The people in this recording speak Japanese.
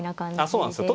そうなんですよ。